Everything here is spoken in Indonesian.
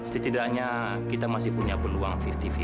setidaknya kita masih punya peluang lima puluh lima